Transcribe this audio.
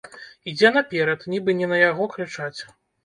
Ідзе наперад, нібы не на яго крычаць.